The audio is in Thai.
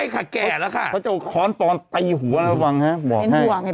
เขาจะวั่งให้